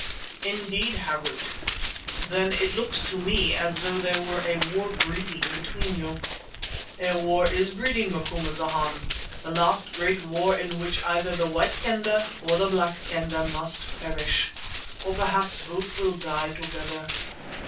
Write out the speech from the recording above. "Indeed, Harût. Then it looks to me as though there were a war breeding between you." "A war is breeding, Macumazana, the last great war in which either the White Kendah or the Black Kendah must perish. Or perhaps both will die together.